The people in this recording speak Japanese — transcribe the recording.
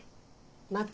また